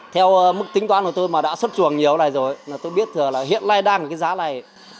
theo mức tính toán của tôi mà đã xuất chuồng nhiều này rồi tôi biết là hiện nay đang cái giá này